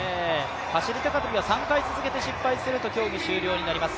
走高跳は３回続けて失敗すると競技終了となります。